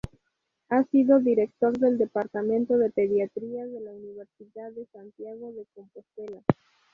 Ha sido Director del Departamento de Pediatría de la Universidad de Santiago de Compostela.